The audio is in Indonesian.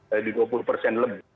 jadi dua puluh persen lebih